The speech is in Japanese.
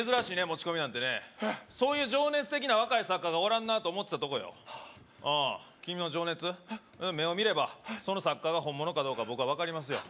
持ち込みなんてねそういう情熱的な若い作家がおらんなと思ってたとこよああ君の情熱目を見ればその作家が本物かどうか僕は分かりますよ